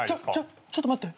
ちょっと待って。